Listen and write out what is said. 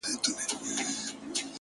د شېخانو د ټگانو. د محل جنکۍ واوره.